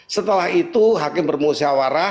setelah itu hakim bermusiawara